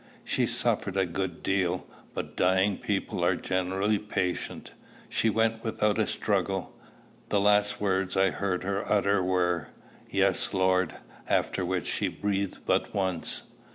She suffered a good deal, but dying people are generally patient. She went without a struggle. The last words I heard her utter were, "Yes, Lord;" after which she breathed but once.